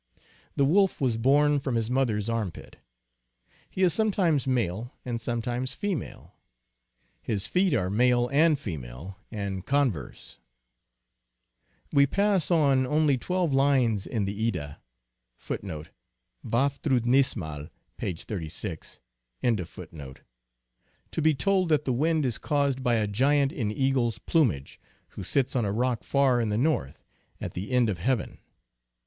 The Wolf was born from his mother s armpit. He is sometimes male and some times female. His feet are male and female, and con verse. We pass on only twelve lines in the Edda (Vafthrudnismal, 36) to be told that the wind is caused by a giant in eagle s plumage, who sits on a rock far in the north " at the end of heaven."